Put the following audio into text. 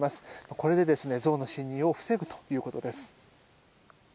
これでゾウの侵入を防ぐということです。